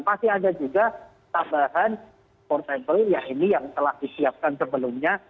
pasti ada juga tambahan portable ya ini yang telah disiapkan sebelumnya